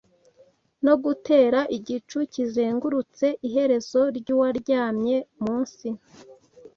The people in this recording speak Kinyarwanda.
no gutera igicu kizengurutse iherezo ryuwaryamye munsi.